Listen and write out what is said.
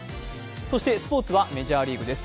そして、スポーツはメジャーリーグです。